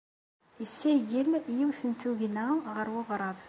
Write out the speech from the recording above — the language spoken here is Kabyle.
Yessagel yiwet n tugna ɣer uɣrab.